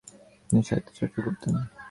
তিনি সাহিত্য চর্চা করতেন।